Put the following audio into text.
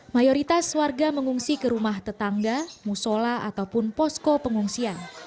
mayoritas warga mengungsi ke rumah tetangga musola ataupun posko pengungsian